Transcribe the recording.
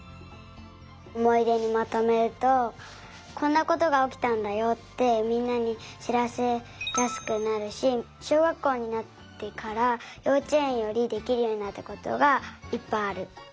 おもいでにまとめるとこんなことがおきたんだよってみんなにしらせやすくなるししょうがっこうになってからようちえんよりできるようになったことがいっぱいある。